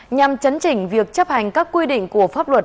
nhằm chấn chỉnh việc chấp hành các quy định của pháp luật